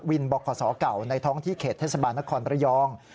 วินบศเก่าในท้องที่เขตเทศบาลนครระยอง